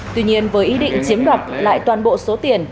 tuy nhiên với ý định chiếm đoạt lại toàn bộ số tiền